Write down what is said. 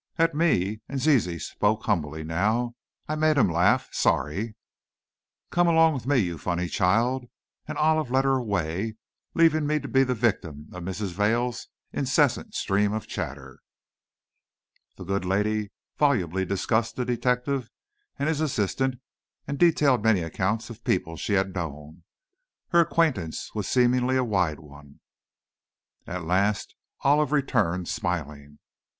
"At me," and Zizi spoke humbly now; "I made 'em laugh. Sorry!" "Come along with me, you funny child," and Olive led her away, leaving me to be the victim of Mrs. Vail's incessant stream of chatter. The good lady volubly discussed the detective and his assistant and detailed many accounts of people she had known. Her acquaintance was seemingly a wide one! At last Olive returned, smiling.